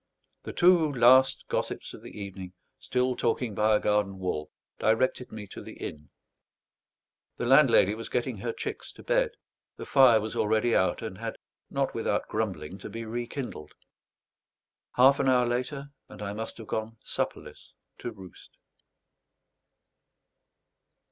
The two last gossips of the evening, still talking by a garden wall, directed me to the inn. The landlady was getting her chicks to bed; the fire was already out, and had, not without grumbling, to be rekindled; half an hour later, and I must have gone supperless to roost.